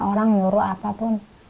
orang nyuruh apapun